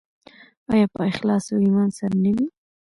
آیا په اخلاص او ایمان سره نه وي؟